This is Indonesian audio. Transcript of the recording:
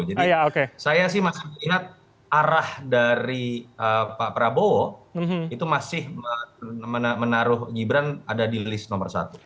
jadi saya sih masih melihat arah dari pak prabowo itu masih menaruh gibran ada di list nomor satu